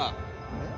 えっ？